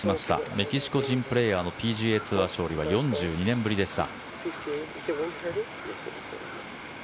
メキシコ人プレーヤーが勝利は４２年ぶりでした。